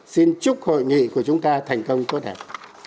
xin chúc hội nghị của chúng ta thành công tốt đẹp